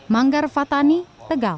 manggar fatani tegal